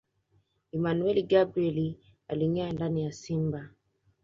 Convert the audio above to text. Emmanuel Gabriel Alingâara ndani ya Simba